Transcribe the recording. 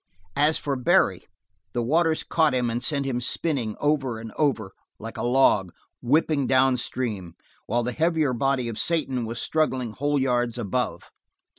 As for Barry, the waters caught him and sent him spinning over and over, like a log, whipping down stream, while the heavier body of Satan was struggling whole yards above.